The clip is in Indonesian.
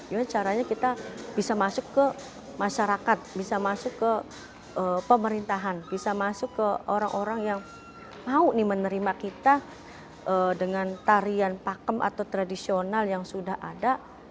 gimana caranya kita bisa masuk ke masyarakat bisa masuk ke pemerintahan bisa masuk ke orang orang yang mau menerima kita dengan tarian pakem atau tradisional yang sudah ada